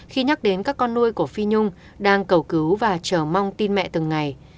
khi nhắc đến các con nuôi của phi nhung đang cầu cứu và chờ mong tin mẹ từng ngày